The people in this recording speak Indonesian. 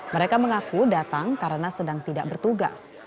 mereka mengaku datang karena sedang tidak bertugas